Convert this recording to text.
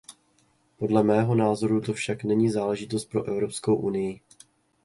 Podle mého názoru to však není záležitost pro Evropskou unii.